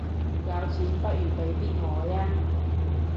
有錢不如俾啲我吖